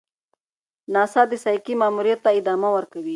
ناسا د سایکي ماموریت ته ادامه ورکوي.